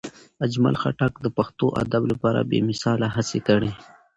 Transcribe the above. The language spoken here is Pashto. اجمل خټک د پښتو ادب لپاره بې مثاله هڅې کړي.